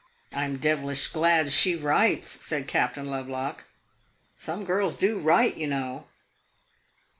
"I 'm devilish glad she writes," said Captain Lovelock; "some girls do write, you know."